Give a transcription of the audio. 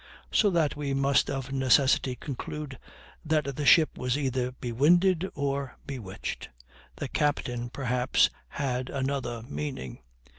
So that we must of necessity conclude that the ship was either bewinded or bewitched. The captain, perhaps, had another meaning.